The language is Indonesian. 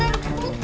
ya aku mau makan